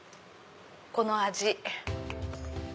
この味。